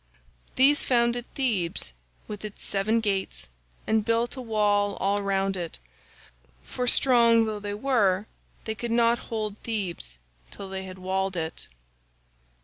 These founded Thebes with its seven gates, and built a wall all round it; for strong though they were they could not hold Thebes till they had walled it.